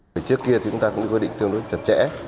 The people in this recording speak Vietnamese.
thì trước kia thì chúng ta cũng quyết định tương đối chặt chẽ